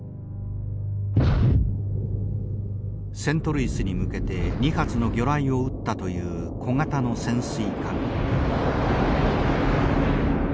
セントルイスに向けて２発の魚雷を撃ったという小型の潜水艦。